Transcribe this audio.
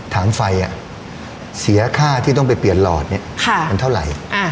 ถามไฟอ่ะเสียค่าที่ต้องไปเปลี่ยนหลอดค่ะอันเท่าไรอ่ะ